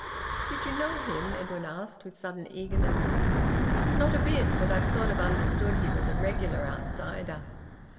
"Did you know him?" Edwin asked, with sudden eagerness. "Not a bit. But I've sort of understood he was a regular outsider.